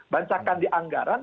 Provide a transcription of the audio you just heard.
bancakan di anggaran